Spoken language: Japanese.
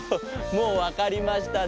もうわかりましたね？